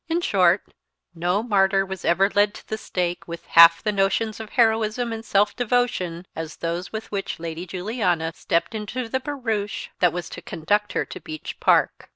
In short, no martyr was ever led to the stake with half the notions of heroism and self devotion as those with which Lady Juliana stepped into the barouche that was to conduct her to Beech Park.